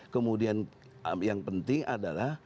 kemudian yang penting adalah